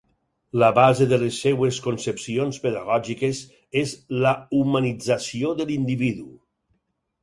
La base de les seues concepcions pedagògiques és la humanització de l'individu.